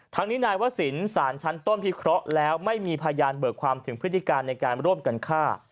ทั้งนี้นายวศิลป์สารชั้นต้นพิเคราะห์แล้วไม่มีพยานเบิกความถึงพฤติการในการร่วมกันฆ่า